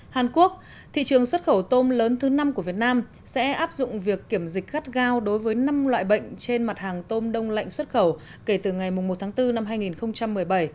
hàn quốc thị trường xuất khẩu tôm lớn thứ năm của việt nam sẽ áp dụng việc kiểm dịch khát gao đối với năm loại bệnh trên mặt hàng tôm đông lạnh xuất khẩu kể từ ngày một tháng bốn năm hai nghìn một mươi bảy